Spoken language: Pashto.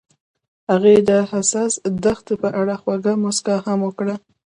هغې د حساس دښته په اړه خوږه موسکا هم وکړه.